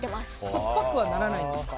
酸っぱくはならないんですか？